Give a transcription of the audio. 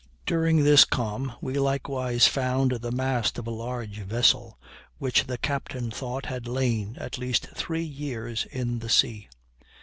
During this calm we likewise found the mast of a large vessel, which the captain thought had lain at least three years in the sea.